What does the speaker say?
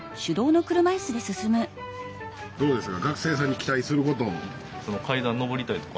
どうですか？